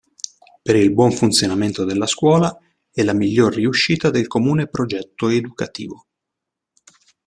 Per il buon funzionamento della scuola e la miglior riuscita del comune progetto educativo.